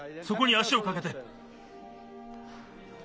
そこに足をかけて。